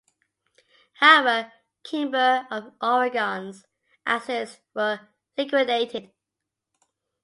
However, Kimber of Oregon's assets were liquidated.